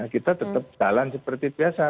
kita tetap jalan seperti biasa